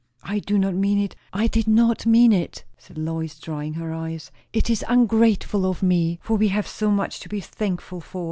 "I do not mean it I did not mean it," said Lois, drying her eyes. "It is ungrateful of me; for we have so much to be thankful for.